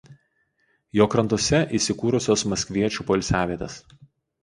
Jo krantuose įsikūrusios maskviečių poilsiavietės.